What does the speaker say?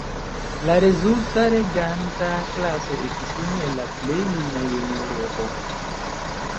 La rezulta reganta klaso estis unu el la plej junaj en Eŭropo.